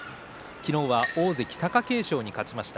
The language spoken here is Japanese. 昨日は大関貴景勝に勝ちました。